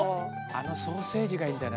ソーセージがいいんだよな。